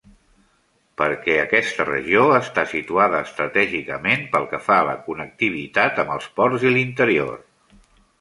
Perquè aquesta regió està situada estratègicament pel que fa a la connectivitat amb els ports i l'interior.